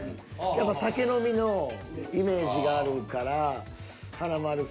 やっぱ酒飲みのイメ―ジがあるから華丸さんで。